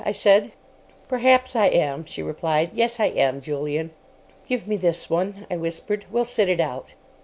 I said. "Perhaps I am," she replied. "Yes, I am, Julian." "Give me this one," I whispered. "We'll sit it out."